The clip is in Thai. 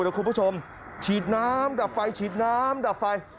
เดี๋ยวคุณผู้ชมฉีดน้ำดับไฟฉีดน้ำดับไฟ